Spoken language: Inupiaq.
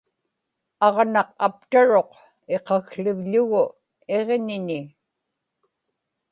aġnaq aptaruq iqaqłivḷugu iġñiñi